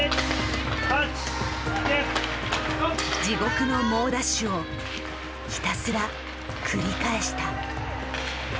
地獄の猛ダッシュをひたすら繰り返した。